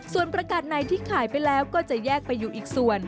ส่วนประกาศไหนที่ขายไปแล้วก็จะแยกไปอยู่อีกส่วน